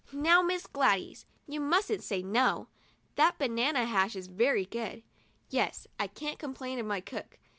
'Now, Miss Gladys, you mustn't say 'no.' That banana hash is very good. Yes, I can't complain of my cook.